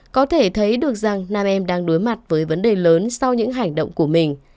có thể thấy được rằng nam em đang đối mặt với vấn đề lớn sau những hành động của mình